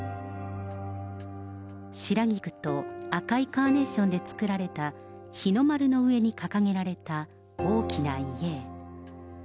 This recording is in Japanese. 白菊と赤いカーネーションで作られた日の丸の上に掲げられた大きな遺影。